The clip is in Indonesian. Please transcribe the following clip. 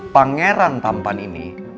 pangeran tampan ini